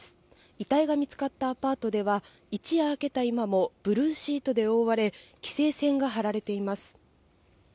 遺体が見つかったアパートでは、一夜明けた今も、ブルーシートで覆われ、規制線が張られています。